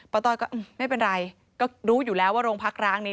ต้อยก็ไม่เป็นไรก็รู้อยู่แล้วว่าโรงพักร้างนี้